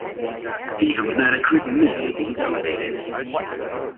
The hematocrit may be elevated.